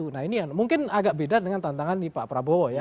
nah ini yang mungkin agak beda dengan tantangan di pak prabowo ya